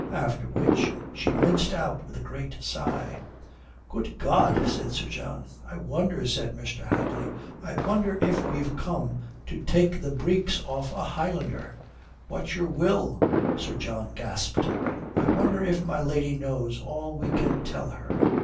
After which she minced out with a great sigh. "Good God!" says Sir John. "I wonder," says Mr. Hadley "I wonder if we've come to take the breeks off a Highlander?" "What's your will?" Sir John gasped. "I wonder if my lady knows all we can tell her.